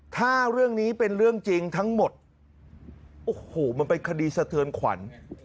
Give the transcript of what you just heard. ถ้าเรื่องนี้เป็นเรื่องจริงทั้งหมดโอ้โหมันเป็นคดีสะเทือนขวัญ